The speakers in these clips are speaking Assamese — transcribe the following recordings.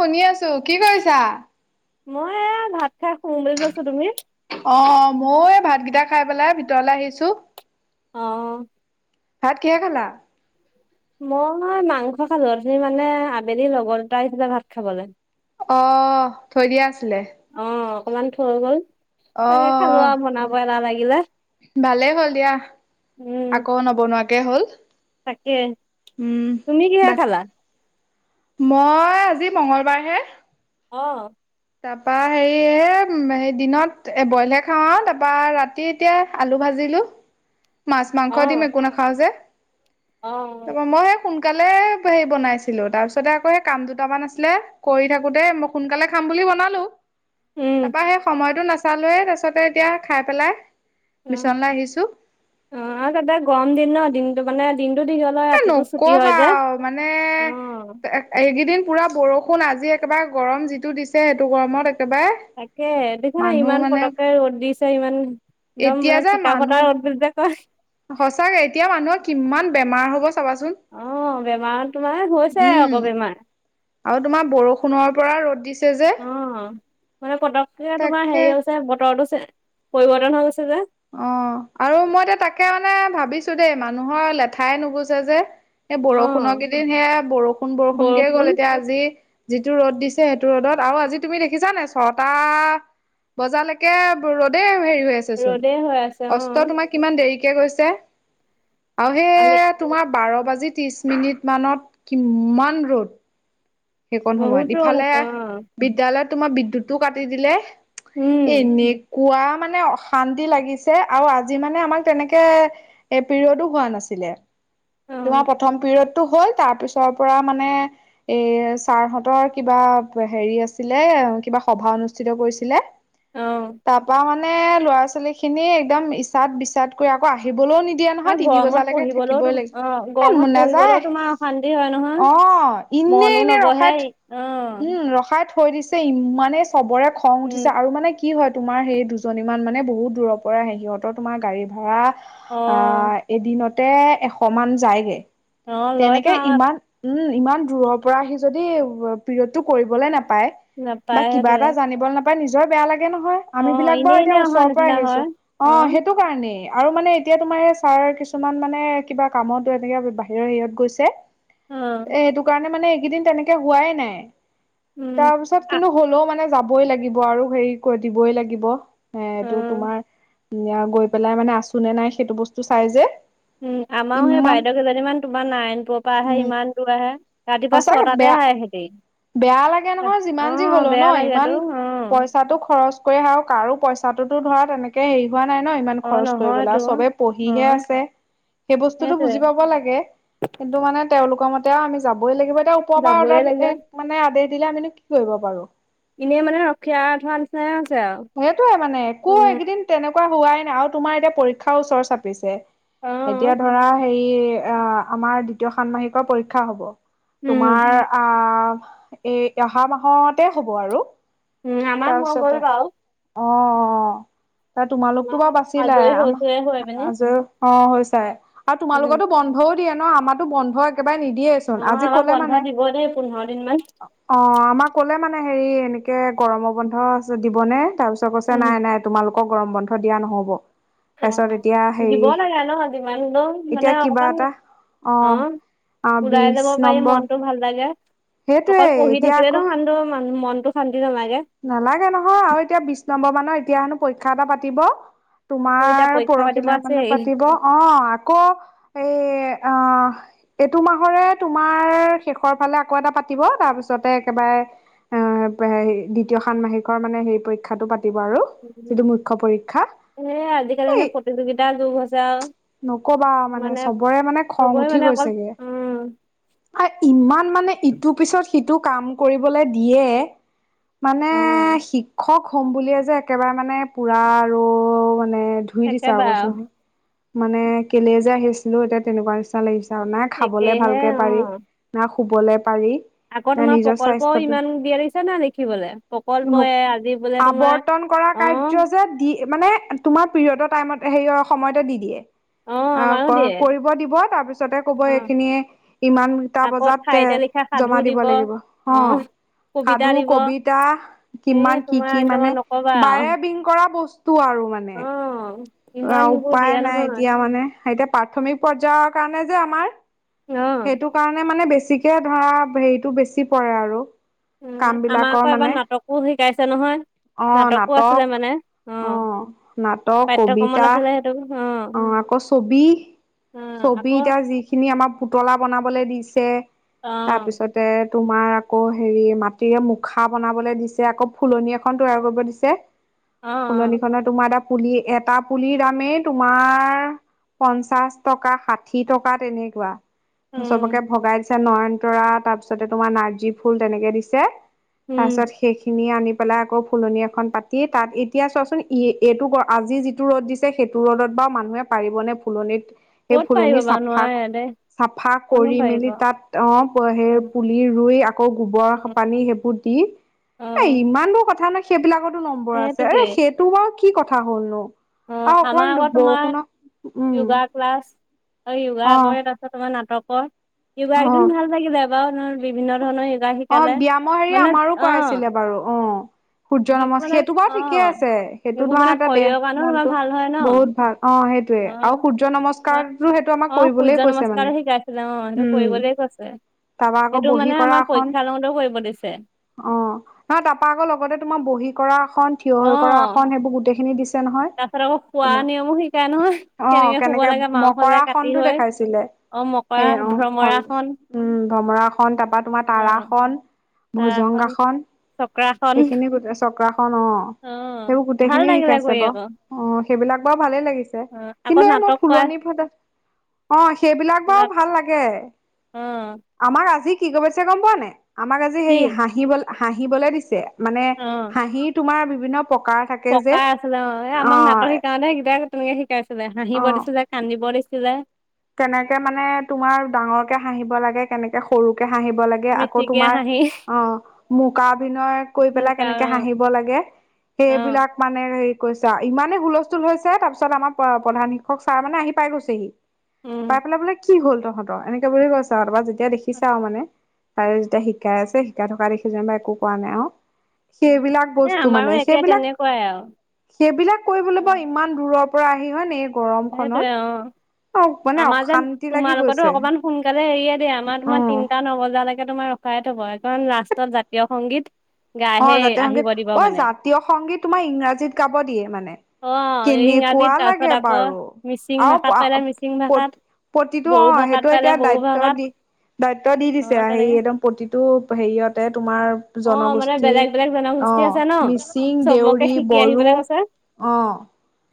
শুনি আছো, কি কৰিছা? মই এ ভাত খাই শুম বুলি লৈছো তুমি? অ মও এই ভাতকেইটা খাই পেলাই ভিতৰলে আহিছো। অঁ। ভাত কিহে খালা? মই মানে মাংস খালোঁ অথোনি মানে আবেলি লগৰ দুটা আহছিলে ভাত খাবলে। অহ থৈ দিয়া আছিলে? অ', অকমান থৈ গ'ল। তাকে খালো অহ, আৰু বনাব এলাহ লাগিলে ভালেই হ'ল দিয়া। উম, আকৌ নবনোৱাকে হল। তাকে, উম তুমি কিহে বা খালা? মই আজি মঙ্গলবাৰ হে। অ', তাৰপা হেৰি এ হেৰি দিনত এ বইলহে খাওঁ আও, তাৰপা ৰাতি এতিয়া আলু ভাজি জিলো। [inaudible] মাছ, মাংস, দিম অ', একো নাখাওঁ যে, অ'। তাপা মই হে সোণ কালে হেৰি বনাইছিলো তাৰপিছতে আকৌ সেই কাম দুটামান আছিলে, কৰি থাকোতে মই সোনকালে খাম বুলি বনালো, উম, তাৰপা সেই সময়টো নাচালোৱে তাৰিছতে এতিয়া খায় পেলাই অ বিচনালৈ আহিছো অ আ তাতে গৰম দিন ন দিনটো মানে দিন এ নকবা আও মানে অ এ এইকেইদিন পোৰা বৰষুণ আজি একেবাৰে গৰম যিটো দিছে সেইটো গৰমত একেবাৰে তাকে দেখা নাই মানুহ ইমান মানে পটককে ৰ'দ দিছে ইমান একদম এতিয়া মানে যে টিকা ফটা মানুহ, ৰ'দ বুলি যে কয় সচাকে এতিয়া মানুহৰ কিমান বেমাৰ হব চাবাচোন অ', বেমাৰত তোমাৰ হৈছে উম আকৌ বেমাৰ। আৰু তোমাৰ বৰষুণৰ। পৰা ৰ'দ দিছে। যে অ মানে পটককে তোমাৰ তাকে হেৰি হৈছে বতৰতো পৰিৱৰ্তন হৈ গৈছে। যে অ আৰু মই এতিয়া তাকে মানে ভাবিছো দেই মানুহৰ লেঠাই নুগোছে যে। এই অ বৰষুণৰ কেইদিন সেয়া বৰষুণ বৰষুণ কে গ'ল এতিয়া আজি। যিহেটো ৰ'দ দিছে, সেইটো ৰ'দত আৰু আজি তুমি দেখিছা নে ছটা, বজাৰৈকে ৰ'দেই হেৰি হৈ আছে চুন। ৰ'দেই হৈ আছে অ অস্ত তোমাৰ কিমান দেৰিকে গৈছে। আৰু আমি সেই তোমাৰ বাৰৰ বাজি ত্ৰিশ মিনিট মানত কিমান ৰ'দ। সেইকণ সময়ত, বহুত ৰ'দ ইফালে আছে অ বিদ্য়ালয়ত তোমাৰ বিদ্যুৎ ও কাটি দিলে, উম এনেকুৱা মানে অশান্তি লাগিছে আৰু আজি মানে আমাক তেনেকে এ পিৰিয়ডো হোৱা নাছিলে। অ তোমাৰ প্ৰথম পিৰিয়ডটো হল, তাৰ পিছৰ পৰা মানে এ ছাৰহঁতৰ কিবা হেৰি আছিলে, কিবা সভা অনুষ্ঠিত কৰিছিলে। অ তাৰ পৰা মানে ল'ৰা -ছোৱালী খিনি একদম ইচাদ বিচাদ কৰি আকৌ আহিব। আহিবলৈও নিদিয়া নহয়, আৰু তিনি গৰমত বজালৈকে পঢ়িবলৈও তো থাকিবই লাগিব। অ এ ম গৰমত পঢ়িবলৈও নাযায় তোমাৰ অশান্তি হয় নহয় অ অ এনেই মনো এনে নবহে ৰখাই, অ উম ৰখাই থৈ দিছে ইমানে চবৰে খং উম উঠিছে, আৰু মানে কি হয়। তোমাৰ সেই দুজনী মান বহুত দূৰ পৰা আহে। সিহতৰ তোমাৰ গাড়ী ভাড়া, অ আহ এদিনতে এশ মান যায়গে। অ লয়তো তেনেকে আৰু ইমান উম ইমান দূৰৰ পৰা আহি যদি পিৰিয়ডটো কৰিবলৈ নাপায়। পায়, বা নাপায় কিবা সেইটোৱে এটা জানিব না নিজৰ বেয়া লাগে নহয়, অ আমি বিলাক বাৰু এনেই এনে এতিয়া অহা ওচৰৰ পৰা নিচিনা আহিছো, হয় অ সেইটো কাৰণেই আৰু মানে এতিয়া তোমাৰ ছাৰ কিছুমান মানে, কিবা কামত এনেকে বাহিৰৰ হেৰিত গৈছে। অ এ সেইটো কাৰণে মানে এইকেইদিন তেনেকে হোৱাই নাই। উম তাৰপিছত আ কিন্তু হলেও মানে যাবই লাগিব আৰু হেৰি কৰি দিবই লাগিব। এ এইটো অ তোমাৰ, গৈ পেলাই মানে আছো নে নাই সেইটো বস্তু চাই যে। উম আমাৰো সেই ইমান বাইদেউ কেইজনীমান তোমাৰ নাৰায়ণপুৰৰ পৰা আহে উম ইমান দূৰ আহে ৰাতিপুৱা সঁচাকে ছটাত তে বেয়া সাই এহেতি বেয়া লাগে নহয় যিমান যি হলো ন বেয়া ইমান লাগেতো অ', পইচাটো খৰচ কৰি আহ কাৰো পইচাটোতো ধৰা তেনেকে হেৰি হোৱা নাই ন ইমান অ', খৰচ কৰিবলে নহয়তো। আও চবে পঢ়িহে অ', আছে। সেই বস্তুটো সেইটোৱে বুজি পাব লাগে কিন্তু মানে তেওঁওলোকৰ মত এতিয়াও আমি যাবই লাগিব এতিয়া ওপৰ পৰা যাবই অৰ্ডাৰ লাগে মানে আদেশ দিলে আমো কি কৰিব পাৰো। এনেই মানে ৰখিয়া থোৱা নিচিনা সেইটয়ে মানে একো এইকেইদিন তেনেকুৱা হোৱাই নাই আৰু তোমাৰ এতিয়া পৰীক্ষাৰ ওচৰ চাপিছে। এতিয়া অ', ধৰা হেৰি আহ আমাৰ দ্বিতীয় ষানমাহিকৰ পৰীক্ষা হব। উম, তোমাৰ আহ এই অহা মাহতে হব আৰু। উম আমাৰ মই তাৰপিছতে গ'ল বাও। অ অ তাৰ তোমালোকতো বাৰু আমাৰ বাচিলা আজৰি আমা হৈছোহে হৈ পিনি আজৰি হোৱা হৈছ আৰু উম, তোমালোকো বন্ধও দিয়ে ন আমাৰাতো বন্ধ একব [unintelligible] নিদিয়ে চুন অ', আজি আমাক কলে বন্ধ মানে দিব দেই পোন্ধৰ দিন মান। অ ' আমাৰ কলে মানে হেৰি এনেকে গৰমৰ বন্ধ দিবনে তাৰপিছত কৈছে উম, নাই নাই তোমালোক গৰম বন্ধ দিয়া নহ'ব। অ', তাৰপিছত এতিয়া হে দিব লাগে ন' যিমান হ'লেও মানে এতিয়া কিবা অকমান এটা অ' আহ ওলাই যাব বিশছ পাৰি নম্বৰ মনটো ভাল লাগে। সেইটোৱে অকল পঢ়ি এতিয়া থাকিলেতো আকৌ শান্ত ম মনটো শান্তি নালাগে নালাগে নহয় আৰু এতিয়া বিশ নম্বৰ মানৰ এতিয়া হেনো পৰীক্ষা এটা পাতিব। আকৌ এতিয়া তোমাৰ পৰীক্ষা পাতিব পৰহিলৈ মানে আছেই পাতিব অ' আকৌ এই অ' এইটো মাহৰে তোমাৰ শেষৰ ফালে আকৌ এটা পাতিব তাৰপিছতে একেবাৰে এ দ্বিতীয় ষানমাহিকৰ মানে সেই পৰীক্ষাটো পাতি দিব আৰু, যিটো মুখ্য্ পৰীক্ষা সেই আজিকালি এই মানে প্ৰতিযোগিতাৰ যুগ হৈছে আৰু নকবা মানে চবৰে মানে খং চবৰে উঠি মানে অকল গৈছেগে। উম আৰু ইমান মানে ইটোৰ পিছত সিটো কাম কৰিবলৈ দিয়ে, মানে অ শিক্ষক হম বুলিয়ে যে একেবাৰে মানে পুৰা আৰু মানে ধুই দিছে আৰু কৈচোনহ একেবাৰে মানে কেলে যে আহিছিলো এতিয়া তেনেকুৱা নিচিনা লাগিছে আৰু না খাবলে একেহে ভালকে অ পাৰি না শুবলে পাৰি আকৌ তোমাৰ নিজৰ প্ৰকল্পও স্বাস্থ্যটো ইমান দিয়ে দিছে না লিখিবলে নো প্ৰকল্পই আজি বোলে তোমাৰ আৱৰ্তন কৰা অ কাৰ্য যে দি মানে তোমাৰ পিৰিয়ডত টাইমত হেৰি সময়তে দি দিয়ে। অ অ' আমাৰো ক দিয়ে কৰিব দিব তাৰ পিছতে কব অ এইখিনিয়ে ইমানটা আকৌ বজাত ঠাইতে এ লিখা সাধু জমা দিব লাগিব অ' কবিতা সাধু দিব কবিতা এই কিমান কি তোমাৰ কি একদম মানে নকবা আৰু বাৰে বিং কৰা বস্তু আৰু মানে অ অ' ইমানবোৰ উপায় দিয়ে নাই নহয় এতিয়া মানে এতিয়া প্ৰাথমিক পৰ্যায়ৰ কাৰণে যে আমাৰ অ সেইটো কাৰণে মানে বেছিকে ধৰা হেৰিটো বেছি পৰে আৰু। কাম উম' আমাৰ বিলাকৰ আকৌ এবাৰ মানে নাটকো শিকাইছে নহয়। অ নাটকো আছিলে নাটক মানে অ' নাটক পাঠ্যক্ৰমত কবিতা আছিলে সেইটো। অ' আকৌ ছবি অ', ছবি আকৌ এতিয়া যিখিনি আমাৰ পুতলা বনাবলৈ দিছে। চে, অ', তাৰপিছতে তোমাৰ আকৌ হেৰি মাটিৰে মুখা বনাবলৈ দিছে আকৌ ফুলনি এখন তৈয়াৰ কৰিব দিছে। অ', অ', ফুলনি খনৰ তোমাৰ এটা পুলি এটা পুলিৰ দামে তোমাৰ পঞ্চাশ টকা ষাঠি টকা তেনেকুৱা। চবকে উম, ভগাই দিছে নয়নতৰা তাৰ পিছতে তোমাৰ নাৰ্জী ফুল তেনেকে দিছে। তাৰ উম, পিছত সেইখিনি নি পেলাই আকৌ ফুলনি এখন পাতি তাত এতিয়া চোৱাচোন ইএ এইটো গৰ আজি যিটো ৰ'দ দিছে সে টো ৰ'দত বা মানুহে পাৰিবনে ফুলনিত। সেই ক'ত পাৰিব ফুলনি বাৰু চাফা নোৱাৰে ক দেই চাফা কোননো কৰি পাৰিব। মেলি তাত, অ সেই অ', পুলি ৰুই আ কৌ গোবৰ পানী সেইবোৰ দি, এ অ', ইমানবোৰ কথা ন সেইবিলাকত নম্বৰ আছে। সেইটোকে আৰে সেইটো আৰু কি কথা হ'লনো অ', আৰু আমাৰ অকল আকৌ তোমাৰ বৰষুণত উম। আৰু কিবা অ একেবাৰে তাৰপাছত তোমাৰ নাটকৰ য়োগা অ একদিন ভাল লাগি যায়। বা ধৰ বিভিন্ন ধৰণৰ য়োগা অ শিকালে। ব্যয়াম হেৰি মানে আমাৰো অ', কৰাইছিলে বাৰু অ। সূৰ্য নম যিবোৰ মানে সেইটো বাৰু ঠিকে অ', আছে সেইটো সেইবোৰ ধৰা মানে এটা দেহ শৰীৰৰ কাৰণেও তোমাৰ মনটো ভাল হয় ন। বহুত ভাল অ সেইটোয়ে অ আৰু তোমাৰ সূৰ্য নমস্কাৰটো সেইটো আমাক কৰিবলে কৈছে মানে। শিকাইছিল অ সেটো উম কৰিবলৈ কৈছে। তাৰপা আকৌ সেইটো বহী মানে কৰা আমাৰ এখন। পৰীক্ষা লওঁতেও কৰিব দিছে অ নহ তাৰাপা আকৌ লগতে তোমাৰ বহী কৰা আসন। থিয় অ হৈ কৰা আসন সেইবোৰ গোটেইখিনি দি নহয় তাৰপিছত আকৌ খোৱা তোমাৰ নিয়মো শিকাই নহয় অ শুব কেনেকে লাগে মাওফালে কাটি মকৰাখনটো হৈ দেখাইছিলে। অ মকৰা সেই অ আসন ভ্ৰমৰাখন উম ধমৰাখন তাৰপা তোমাৰ অ তাৰাখন। তাৰাখন ভোজংগাসন চক্ৰাখন সেইখিনি গোট চক্ৰ অ অ সেইবোৰ ভাল গোটেইখিনিয়ে লাগিলে শিকাইছে কৰি বাৰ আকৌ অ। ভালে লাগিছে অ আকৌ কিন্তু এ মই নাটক কৰা ফুলনি ফালে অ সেইবিলাক বাৰু নাট ভাল লাগে অ আমাৰ আজি কি কবাইছে গম পোৱা নাই আমাক আজি কি সেই হাঁহিব হাঁহিবলে দিছে। মানে অ হাঁহি তোমাৰ বিভিন্ন প্ৰকাৰ থাকে যে পকা আছিলে অ এ আমাক নাটক শিকাওতে সেইটাক তেনেকে শিকাইছিলে হাঁহিব অ দিছিল যে কান্দিব দিছিলে। কেনেকে মানে তোমাৰ ডাঙৰকে হাঁহিব লাগে কেনেকে সৰু হাঁহিব লাগে আকৌ মিচিকীয়া তোমাৰ হাঁহি অ মকা অভিনয় কৰি পেলাই মুকা কেনেকে অ হাঁহিব লাগে অ সেইবিলাক মানে কৈছা ইমানেই হুলস্থুল হৈছে তাৰ পিছত আমাৰ প্ৰ-প্ৰধান শিক্ষক ছাৰ মানে আহি পাই গৈছেহি। উম, পাই পেলাই বোলে কি হ'ল তহঁতৰ এনেকে বুলি কৈছে আৰু তাৰপা যেতিয়া দেখিছা আৰু মানে তাৰে যেতিয়া শিকাই আছে শিকাই থকা দেখি যেনিবা একো কোৱা নাই অ, সেইবিলাক এ বস্তু আমাৰো মানে একে সেইবিলাক- তেনেকুৱাই আৰু সেইবিলাক কৰিবলৈ বাৰু ইমান দূৰৰ পৰা আহি হয় নে এই গৰমখনত সেইটোৱে অ, [unintelligible] আমাৰ যেন অশান্তি লাগি তোমালোকৰতো গৈছে অকণমান সোনকালে এৰিয়ে দিয়ে আমাৰ অ তোমাৰ তিনটা নবজালৈকে তোমাৰ ৰখায়ে থ থব কাৰণ লাষ্টত জাতীয় সংগীত অ, গাইহে জাতীয় আহিব সংগীত দিব ৱই মানে জাতীয় সংগীত তোমাৰ ইংৰাজীত গাব দিয়ে মানে। অ ইংৰাজীত কেনেকোৱা তাৰপিছত লাগে আকৌ বাৰু? মিচিং আৰু ভাষাত পালে মিচিং ভাষাত প্ৰত-প্ৰতিটো অ, বড়ো ভাষাত সেইটো পালে এতিয়া বড়ো দায়িত্ব ভাষাত দি দায়িত্ব দি অ দিছে সেই তেনেকে একদম প্ৰতিটো হেৰিয়তে তোমাৰ অ মানে জনগোষ্ঠী উঠি বেলেগ বেলেগ অ, জনগোষ্ঠী আছে ন মিচিং, চবকে দেউৰী, শিকি বড়ো আহিবলৈ কৈছে অ,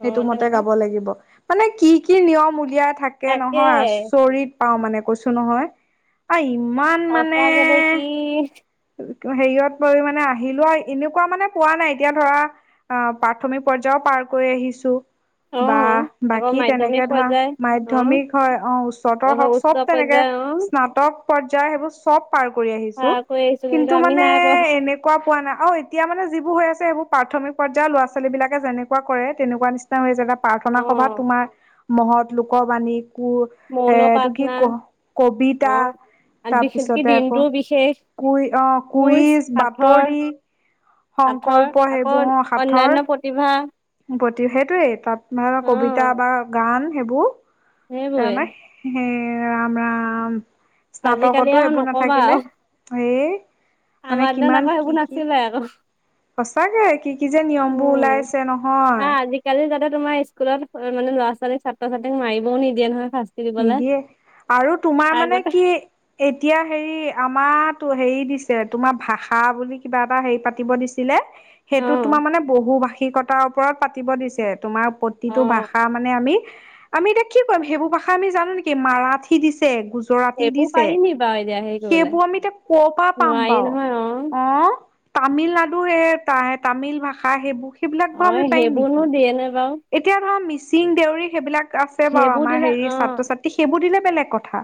অ মতে তেনেকে গাব লাগিব মানে কি-কি নিয়ম উলিয়াই থাকে তাকে নহয় চৰিত পাওঁ মানে কৈছো নহয় আ, ইমান মানে সঁচাকে দেই কি হেৰিয়ত পৰি মানে আহিলোৱা এনেকুৱা মানে পোৱা নাই এতিয়া ধৰা অ, প্ৰাথমিক পৰ্যায় পাৰ কৰি আহিছো। অ বা আকৌ বাকী মাধ্যমিক তেনেকে ধৰা পৰ্যায় অ মাধ্যমিক হয় অ, উচ্চতৰ হওক উচ্চ চব তেনেকে পৰ্যায় অ স্নাতক পৰ্যা়য় সেইবোৰ চব পাৰ কৰি আহিছো পাৰ কৰি আহিছো কিন্তু আমি মানে নাই পোৱা এনেকুৱা পোৱা নাই অ, এতিয়া মানে যিবোৰ হৈ আছে সেইবোৰ প্ৰাথমিক পৰ্যায়ৰ ল'ৰা - ছোৱালী বিলাকে যেনেকুৱা কৰে তেনেকুৱা নিচিনা হৈ জাগাত প্ৰাৰ্থনা অ সভাত তোমাৰ মহৎ লোক বাণী অ, এ, মৌন এইটো কি ক' কবিতা আন বিশেষকে তাৰপিছতে আকৌ দিনটোও বিশেষ। কুই অ, কুইজ বাতৰি সাঁথৰ সংকল্প আকৌ সেইবোৰ অ, অন্যান্য সাঁথৰ প্ৰতিভা প্ৰতি সেইটোৱেই তাত অ [unintelligible] কবিতা বা গান সেইবোৰ। সেইবোৰে ৰামে হে ৰাম-ৰাম। আজিকালি স্নাতকতো আৰু সেইবোৰ নকবা নাথাকিলে আৰু হেয়ে। মানে আমাৰ দিনত কিমান আকৌ সেইবোৰ কি-কি নাছিলে আকৌ সঁচাকে কি-কি যে নিয়মবোৰ উম ওলাইছ ছে নহয়। আহ আজিকালি যাতে তোমাৰ স্কুলত অ, মানে লৰা-ছোৱালীক, ছাত্ৰ- ছাত্ৰীক মাৰিবও নিদিয়ে নহয় ফাৰ্ষ্ট। নিদিয়ে আৰু তোমাৰ মানে আগতে কি এতিয়া হেৰি আমাৰ টো হেৰি দিছে তোমাৰ ভাষা বুলি কিবা এটা হেৰি পাতিব দিছিলে অ সেইটো তোমাৰ মানে বহু ভাষিকতাৰ ওপৰত পাতিব দিছে। তোমাৰ অ প্ৰতিটো ভাষা মানে আমি আমি এতিয়া কি কৰিম সেইবোৰ ভাষা ভাষা আমি জানো নেকি মাৰাঠী দিছে, গুজ জৰাটী সেইবোৰ দিছে পাৰি নি বাৰু এতিয়া হেৰি কৰিবলে সেইবোৰ আমি এতিয়া ক' ৰ পৰা পাম নোৱাৰি বাৰু নহয় অ, তামিলনাডু সেহে তে তামিল ভাষা সেইবোৰ সেইবিলাক বোৰ আমি অ', পাৰিম সেইবোৰনো নেকি? দিয়ে নে বাৰু এতিয়া ধৰা মিচিং, দেউৰী সেইবিলাক আছে বাৰু সেইবোৰ আমাৰ দিলে হেৰি অ', ছাত্ৰ-ছাত্ৰী সেইবোৰ দিলে বেলেগ কথা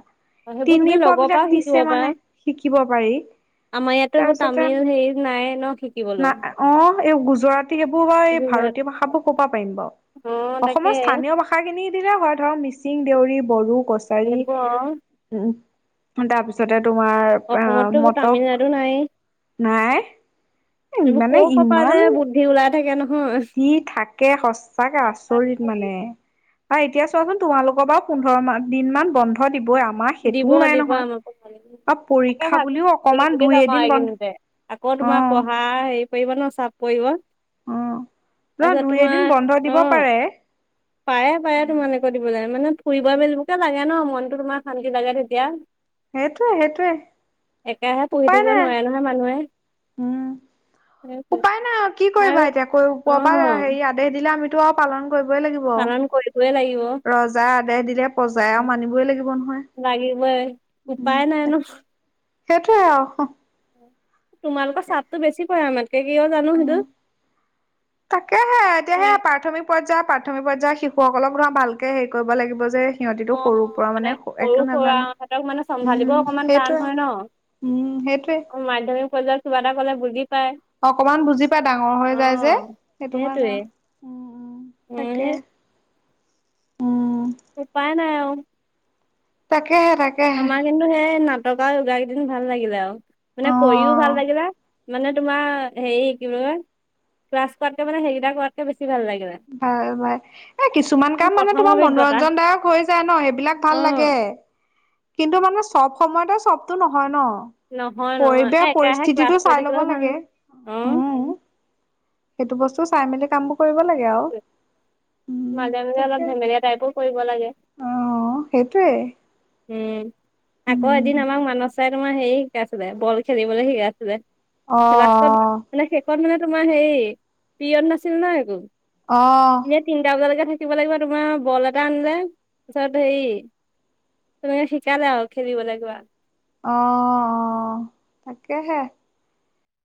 সেইবোৰ তুমি তেনেকুৱা লগৰ পৰাও বিলাক শিকিব দিছে পাৰা মানে শিকিব পাৰি আমাৰ ইয়াতো এইবোৰ তাৰপিছতে তামিল হেৰি নাই ন শিকিবলৈও না অ, এই গুজৰাটী সেইবোৰ হয় ভা গুজৰাট ভাৰতীয় ভাষাবোৰ ক'ৰপা পাৰিম বাওঁ। অ', তাকে অসমৰ স্থানীয় ভাষাখিনি দিলেই হয় ধৰক মিচিং, দেউৰী, বড়ো কছাৰী সেইবোৰ অ', উম তাৰপিছতে। তোমাৰ অসমততো আহ এইবোৰ মটক তামিলনাডু নাই নাই। এইবোৰ মানে ক কপা যে ইমান বুদ্ধি ওলাই থাকে নহয়। দি থাকে সচাক আচৰিত মানে। বা এতিয়া চোৱাচোন তোমালোকৰ ৰাৰু পোন্ধৰ দিন মান বন্ধ। দিবই আমাৰ দিব সেইটোও নাই দিবা নহয়। আমাৰ প ভাল। আৰু তাকে পৰীক্ষা বুলিও ভাবিছো অকমান পঢ়িবলে দুই যাম আৰু এদিন বন্ধ এইগিদিনতে আকৌ তোমাৰ অ', পঢ়া হেৰি। পৰিব ন চাফ পৰিব, অ'। ন তাৰপিছত দুই তোমাৰ এদিন বন্ধ দিব অ' পাৰে পায়ে পায়ে তোমা একে দিব লাগে মানে ফুৰিব মেলিবকে লাগে ন' মনটো তোমাৰ শান্তি লাগে তেতিয়া। সেইটোৱে সেইটোৱে একেৰাহে পঢ়ি উপায় থাকিব নাই নোৱাৰে নহয় মানুহে। উম, উপায় নাই কি কৰিবা আৰু এতিয়া কৈ অ ওপৰপা হেৰি আদেশ দিলে আমি। টো আও পালন। কৰিবই লাগিব আও পালন কৰিবই লাগিব ৰজাই আদেশ দিলে প্ৰজাই আৰু মানিবই লাগিব নহয়। লাগিবয়ে উম, উপায় নাই ন' তাকে সেইটোৱে আও। তোমালোকৰ চাদতটো বেছি পৰে মানে। উ তাকে হে এতিয়া সেডয়া প্ৰাথমিক। পৰ্যায়ৰ প্ৰাথমিক পৰ্যায়ৰ শিশুসকলক ধৰা ভালকে হেৰি কৰিব লাগিব যে অ সিহঁতিটো সৰুৰ পৰা মানে সৰু একো নাজানে সুৰাহঁতক মানে চম্ভালিব উম অকমান টান সেইটোৱে। হয় ন উম সেইটোৱে অ [inaudible] কিবা এটা ক'লে বুজি পায় অকমান বুজি পাই ডাঙৰ অ হৈ যায় যে সেইটো সেইটোৱে কাৰণে আৰু আও। উম তাকে। সেই উম উপায় নাই আও। তাকেহে তাকেহে আমাৰ কিন্তু সেই নাটকাৰ যোগা কেইদিন ভাল লাগিলে আৰু অ মানে কৰিও ভাল লাগিলে। মানে তোমাৰ হেৰি কি বুলি কয় ক্লাছ কৰাতকে মানে সেইকেইটা কৰাতকে বেছ ভাল ভাই এ কিছুমান কাম মানে প্ৰথম তোমাৰ অভিজ্ঞতা মনোৰঞ্জনদায়ক হৈ যায় ন সেইবিলাক অ ভাল লাগে। [inaudible] কিন্তু মানে চব সময়তে চবতটো নহয় ন। নহয় নহয় পৰিৱেশ এ একেৰাহে ক্লাছ পৰিস্থিতিটো কৰি চাই লব থাকিলেও ভাল লাগে। অ উম। সেইটো বস্তু চাই মেলি কামবোৰ কৰিব লাগে আও। মাজে মাজে অলপ ধেমেলীয়া টাইপো কৰিব লাগে। অ সেইটোৱে উম আকৌ উম এদিন আমাক মানহ চাই তোমাৰ হেৰি শিকাইছিলে বল খেলিবলৈ শিকাইছিলে। অ লাষ্টত মানে শেষত মানে তোমাৰ হে পৰিয়ড নাছিল না একো অ এনে তিনটা বজালৈকে থাক কিব লাগিব তোমাৰ বল এটা আনিলে পিছত সেই তুমি শিকালা আও খেলিব কিবা। অহ অ তাকেহে